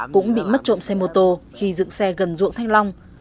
cũng bị mất trộm xe mô tô khi dựng xe gần ruộng thanh long